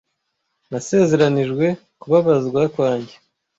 nasezeranijwe kubabazwa kwanjye